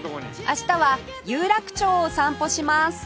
明日は有楽町を散歩します